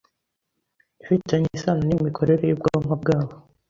ifitanye isano n’imikorere y’ubwonko bwabo.